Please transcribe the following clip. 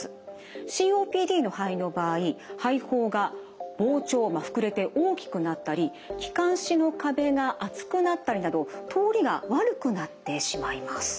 ＣＯＰＤの肺の場合肺胞が膨張膨れて大きくなったり気管支の壁が厚くなったりなど通りが悪くなってしまいます。